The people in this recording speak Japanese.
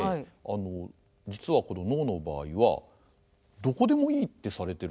実はこの能の場合はどこでもいいってされてるんです。